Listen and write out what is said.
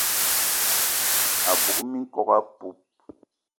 A bug minkok apoup